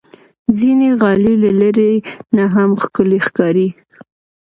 ځینې غالۍ له لرې نه هم ښکلي ښکاري.